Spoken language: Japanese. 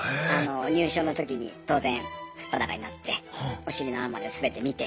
入所のときに当然素っ裸になってお尻の穴まで全て見て。